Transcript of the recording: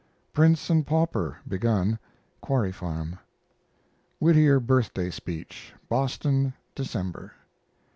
PRINCE AND PAUPER begun (Quarry Farm). Whittier birthday speech (Boston), December.